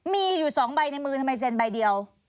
มีอยู่๒ใบในมือทำไมเซ็นใบเดียว